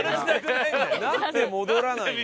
なんで戻らないの？